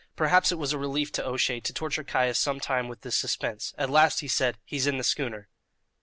Perhaps it was a relief to O'Shea to torture Caius some time with this suspense. At last he said: "He's in the schooner."